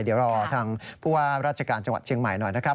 เดี๋ยวรอทางผู้ว่าราชการจังหวัดเชียงใหม่หน่อยนะครับ